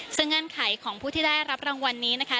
ซึ่งเงื่อนไขของผู้ที่ได้รับรางวัลนี้นะคะ